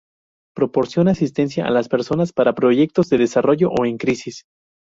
Proporciona asistencia a las personas para proyectos de desarrollo o en crisis.